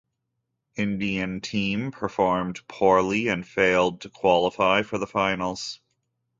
Indian team performed poorly and failed to qualify for the Finals.